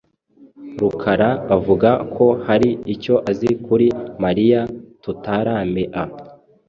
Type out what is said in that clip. Rukara avuga ko hari icyo azi kuri Mariya tutaramea.